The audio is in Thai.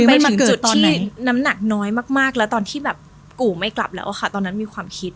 ไปมาเกิดตอนนั้นน้ำหนักน้อยมากแล้วตอนที่แบบกู่ไม่กลับแล้วค่ะตอนนั้นมีความคิด